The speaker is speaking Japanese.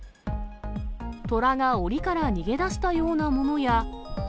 虎がおりから逃げ出したようなものや。